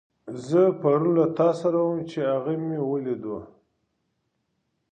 زه پرون له تاسره وم، چې هغه مې وليدو.